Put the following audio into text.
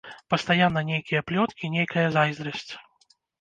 Пастаянна нейкія плёткі, нейкая зайздрасць.